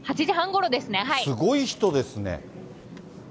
すごい人ですね。